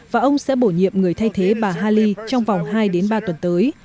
và ông sẽ bổ nhiệm người thay thế bà haley trong vòng hai ba tuần tới